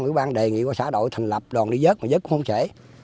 quỹ ban đề nghị qua xã đội thành lập đoàn đi dớt mà dớt cũng không trễ